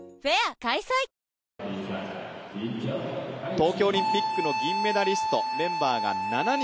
東京オリンピックの銀メダリストメンバーが７人